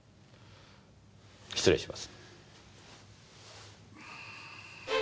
失礼します。